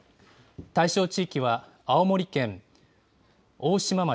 対象地域は青森県、大島町、